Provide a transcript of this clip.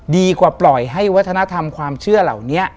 ดีกว่าปล่อยให้วัฒนธรรมความเชื่อเหล่านี้